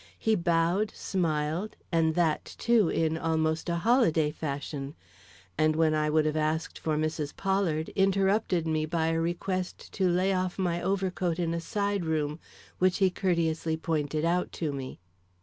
He bowed, smiled, and that, too, in almost a holiday fashion; and when I would have asked for Mrs. Pollard, interrupted me by a request to lay off my overcoat in a side room, which he courteously pointed out to me.